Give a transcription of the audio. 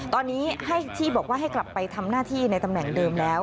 ตอนนี้ที่บอกว่าให้กลับไปทำหน้าที่ในตำแหน่งเดิมแล้ว